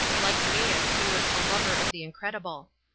Like Gains he was " a lover of the incredible."